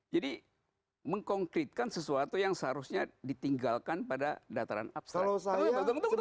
jadi mengkonkritkan sesuatu yang seharusnya ditinggalkan pada dataran abstrak